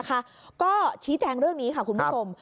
ก็ชี้แจงเรื่องนี้ค่ะคุณผู้ชม